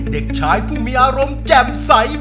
เด็กชายผู้มีอารมณ์แจ่มใส